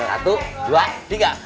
satu dua tiga